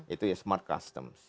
itu ya smart customs